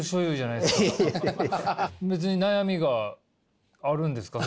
別に悩みがあるんですか？